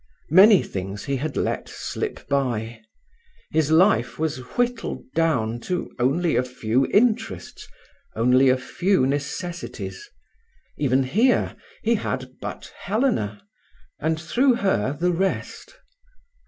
Many things he had let slip by. His life was whittled down to only a few interests, only a few necessities. Even here, he had but Helena, and through her the rest.